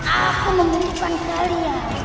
aku memberikan kalian